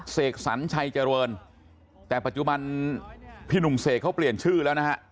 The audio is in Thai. เสกสรรชัยเจริญแต่ปัจจุบันพี่หนุ่มเสกเขาเปลี่ยนชื่อแล้วนะฮะ